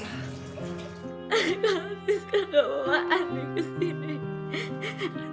kalau siska gak mau bawa andi kesini